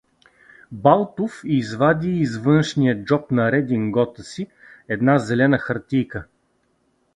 Балтов извади из външния джоб на редингота си една зелена хартийка.